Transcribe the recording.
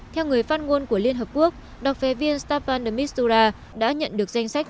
theo người phát ngôn của liên hợp quốc đặc phái viên staffan demistura đã nhận được danh sách